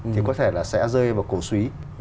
thì có thể là sẽ rơi vào cổ suý